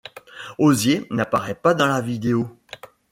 Hozier n'apparaît pas dans la vidéo.